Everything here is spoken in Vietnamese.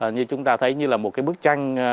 như chúng ta thấy như là một cái bức tranh